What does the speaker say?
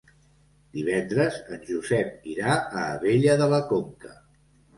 Divendres en Josep irà a Abella de la Conca.